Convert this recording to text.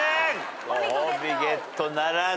ご褒美ゲットならず。